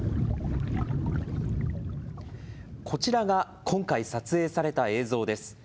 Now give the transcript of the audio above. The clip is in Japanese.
こちらが今回撮影された映像です。